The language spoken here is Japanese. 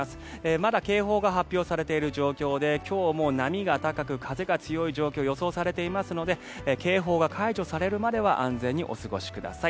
まだ警報が発表されている状況で今日も波が高く風が強い状況が予想されていますので警報が解除されるまでは安全にお過ごしください。